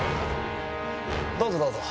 どうぞどうぞ。